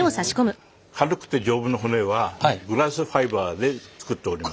軽くて丈夫な骨はグラスファイバーで作っております。